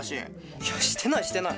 いやしてないしてない！